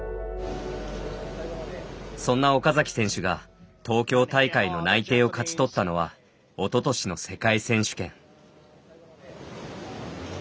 そんな岡崎選手が東京大会の内定を勝ち取ったのはおととしの世界選手権。